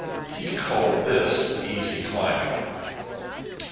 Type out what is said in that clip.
"] He called this easy climbing!